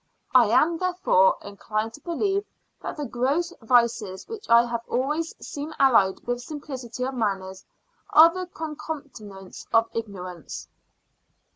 I am, therefore, inclined to believe that the gross vices which I have always seem allied with simplicity of manners, are the concomitants of ignorance.